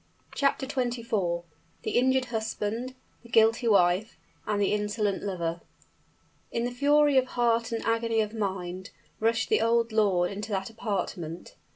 CHAPTER XXIV. THE INJURED HUSBAND THE GUILTY WIFE AND THE INSOLENT LOVER. In fury of heart and agony of mind, rushed the old lord into that apartment.